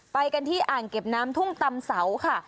ไปกันที่อ่างเก็บน้ำทุ่งตำเสาค่ะ